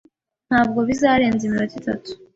Ntabwo bizarenza iminota itatu.